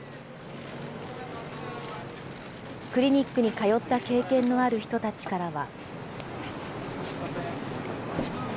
クリニックに通った経験のある人たちからは。